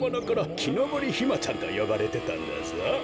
「きのぼりひまちゃん」とよばれてたんだぞ。